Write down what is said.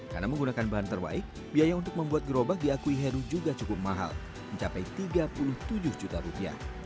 karena menggunakan bahan terbaik biaya untuk membuat gerobak diakui heru juga cukup mahal mencapai tiga puluh tujuh juta rupiah